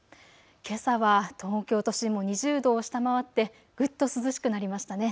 けさは東京都心も２０度を下回ってぐっと涼しくなりましたね。